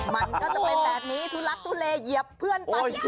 มันก็จะเป็นแบบนี้ทุลักทุเลเหยียบเพื่อนไป